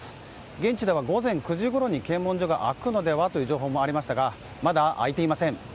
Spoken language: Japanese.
現地では、午前９時ごろに検問所が開くのでは？との情報もありましたがまだ開いていません。